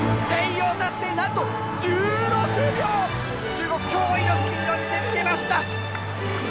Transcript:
中国驚異のスピードを見せつけました！